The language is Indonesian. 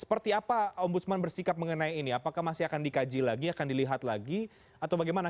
seperti apa ombudsman bersikap mengenai ini apakah masih akan dikaji lagi akan dilihat lagi atau bagaimana